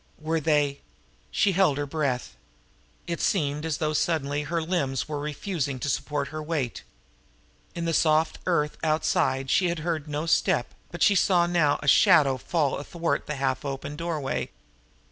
Were they She held her breath. It seemed as though suddenly her limbs were refusing to support her weight. In the soft earth outside she had heard no step, but she saw now a shadow fall athwart the half open door way.